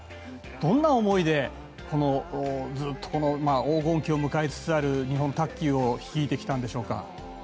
どんな思いで、ずっと黄金期を迎えつつある日本卓球を率いてきたんでしょうか？